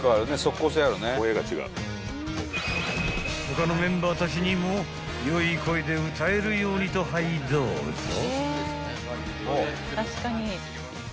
［他のメンバーたちにも良い声で歌えるようにとはいどうぞ］